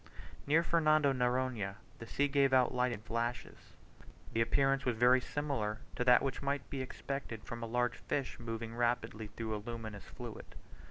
Near Fernando Noronha the sea gave out light in flashes. The appearance was very similar to that which might be expected from a large fish moving rapidly through a luminous fluid.